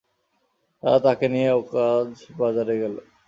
তারা তাকে নিয়ে ওকাজ বাজারে এল।